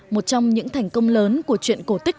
một trong những thành công lớn của chuyện cổ tích